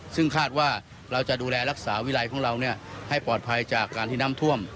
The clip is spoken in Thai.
ซึ่งคาดว่าเราจะดูแลรักษาวิรัยของเราให้ปลอดภัยจากการที่น้ำท่วม